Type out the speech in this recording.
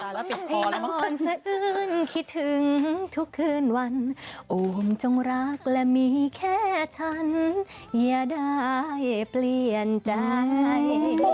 แล้วติดอ่อนสะอื้นคิดถึงทุกคืนวันโอมจงรักและมีแค่ฉันอย่าได้เปลี่ยนใจ